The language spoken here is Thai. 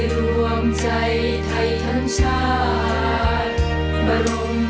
มองฝากเฟ้อเห็นแสนทองส่องเหลืองาม